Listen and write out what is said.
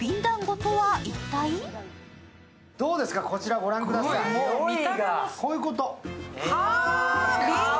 どうですか、こちら、ご覧ください、こういうこと。